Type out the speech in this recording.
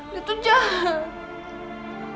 dia tuh jahat